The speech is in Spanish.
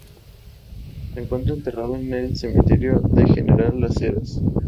Se encuentra enterrado en el cementerio de General Las Heras.